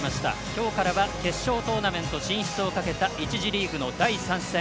今日からは決勝トーナメント進出をかけた１次リーグの第３戦。